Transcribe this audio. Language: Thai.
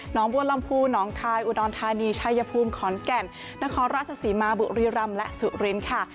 บัวลำพูหนองคายอุดรธานีชัยภูมิขอนแก่นนครราชศรีมาบุรีรำและสุรินทร์ค่ะ